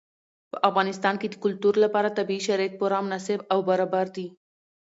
په افغانستان کې د کلتور لپاره طبیعي شرایط پوره مناسب او برابر دي.